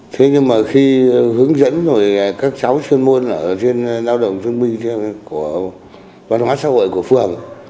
thế nhưng mà khi hướng dẫn rồi các cháu chuyên môn ở trên lao động thương binh của văn hóa xã hội của phường